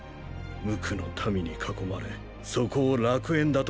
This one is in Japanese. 無垢の民に囲まれそこを楽園だとほざいている。